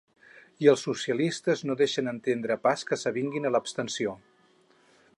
I els socialistes no deixen entendre pas que s’avinguin a l’abstenció.